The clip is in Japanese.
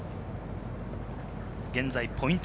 現在ポイント